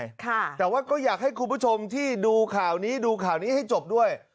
ค่ะแต่ว่าก็อยากให้คุณผู้ชมที่ดูข่าวนี้ดูข่าวนี้ให้จบด้วย